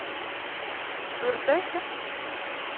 Tsuref-ak?